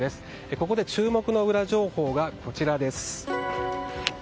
ここで注目のウラ情報がこちらです。